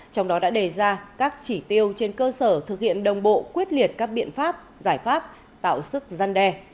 trong đó đã đề ra các chỉ tiêu trên cơ sở thực hiện đồng bộ quyết liệt các biện pháp giải pháp tạo sức gian đe